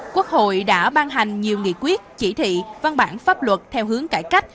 quốc hội đã ban hành nhiều nghị quyết chỉ thị văn bản pháp luật theo hướng cải cách